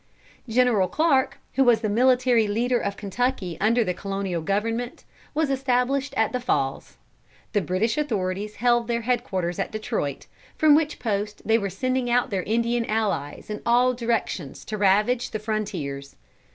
General Clarke, who was the military leader of Kentucky under the Colonial government, was established at the Falls. The British authorities held their head quarters at Detroit, from which post they were sending out their Indian allies in all directions to ravage the frontiers.